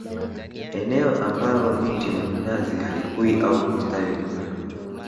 Eneo ambalo miti ya minazi haikui au kustawi vizuri